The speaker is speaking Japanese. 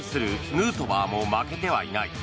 ヌートバーも負けてはいない。